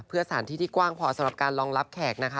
เพื่อสถานที่ที่กว้างพอสำหรับการรองรับแขกนะคะ